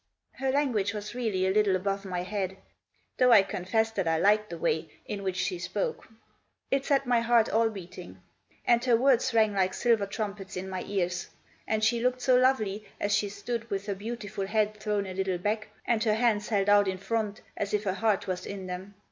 Her language was really a little above my head. Though I confess that I liked the way in which she spoke. It set my heart all beating. And her words rang like silver trumpets in my ears. And she looked so lovely as she stood with her beautiful head thrown a little back, and her hands held out in front as if her heart was in them.